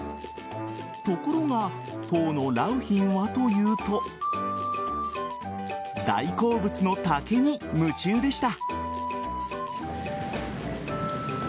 ところが、当の良浜はというと大好物の竹に夢中でした。